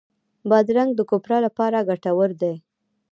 بادرنګ د کوپرا لپاره ګټور دی.